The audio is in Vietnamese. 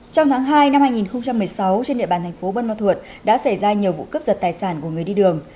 trong tháng hai năm hai nghìn một mươi sáu trên địa bàn thành phố bân ma thuột đã xảy ra nhiều vụ cướp giật tài sản của người đi đường